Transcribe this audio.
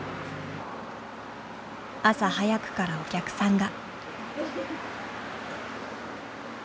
朝早くからお客さんが。